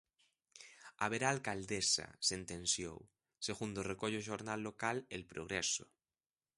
"Haberá alcaldesa", sentenciou, segundo recolle o xornal local El Progreso.